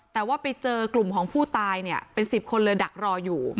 แต่ว่าไปเจอกลุ่มของผู้ตายเนี่ยเป็น๑๐คนเลยดักรออยู่